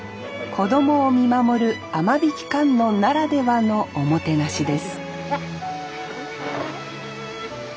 子供を見守る雨引観音ならではのおもてなしです